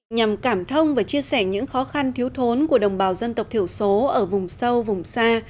nhằm cảm thông và chia sẻ những khó khăn thiếu thốn của đồng bào dân tộc thiểu số ở vùng sâu vùng xa